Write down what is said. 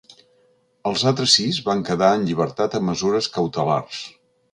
Els altres sis van quedar en llibertat amb mesures cautelars.